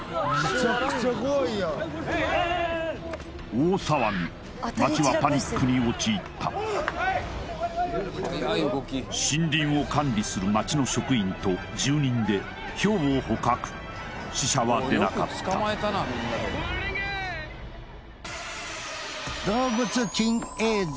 大騒ぎ町はパニックに陥った森林を管理する町の職員と住人でヒョウを捕獲死者は出なかった動物珍映像